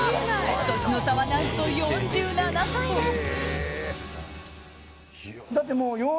年の差は何と４７歳です。